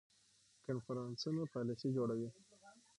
کنفرانسونه پالیسي جوړوي